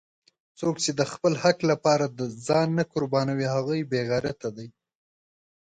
څوک چې د خپل حق لپاره ځان نه قربانوي هغه بېغیرته دی!